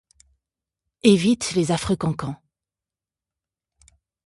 Évite les affreux cancans.